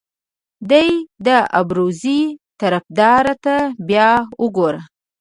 دې د ابروزي طرفدار ته بیا وګوره.